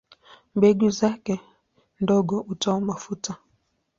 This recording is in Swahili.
Mbegu zake ndogo hutoa mafuta.